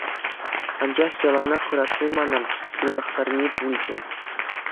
Анчах яланах хӑратни мана ҫырлахтарми пулчӗ.